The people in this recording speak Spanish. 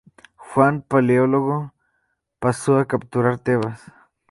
Juan Paleólogo pasó a capturar Tebas.